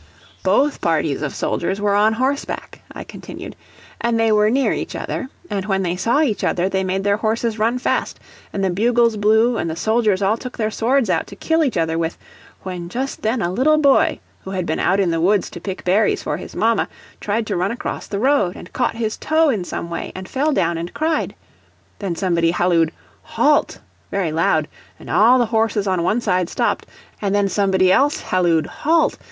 "Both parties of soldiers were on horseback," I continued, "and they were near each other, and when they saw each other they made their horses run fast, and the bugles blew, and the soldiers all took their swords out to kill each other with, when just then a little boy, who had been out in the woods to pick berries for his mama, tried to run across the road, and caught his toe some way, and fell down, and cried. Then somebody hallooed 'Halt!' very loud, and all the horses on one side stopped, and then somebody else hallooed 'Halt!'